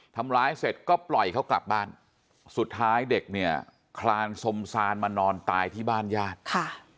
ทำร้ายเสร็จก็ปล่อยเขากลับบ้านสุดท้ายเด็กเนี่ยคลานสมซานมานอนตายที่บ้านญาติค่ะ